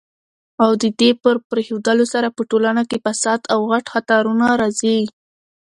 او ددي په پريښودلو سره په ټولنه کي فساد او غټ خطرونه راځي